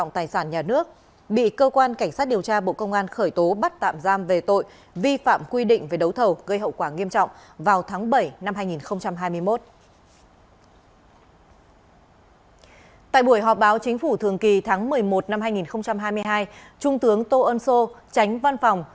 tại buổi họp báo chính phủ thường kỳ tháng một mươi một năm hai nghìn hai mươi hai trung tướng tô ân sô tránh văn phòng